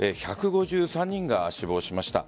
１５３人が死亡しました。